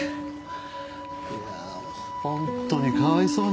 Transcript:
いやあ本当にかわいそうに。